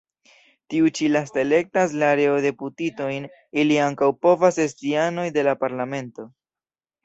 Tiu ĉi lasta elektas la areo-deputitojn; ili ankaŭ povas esti anoj de la Parlamento.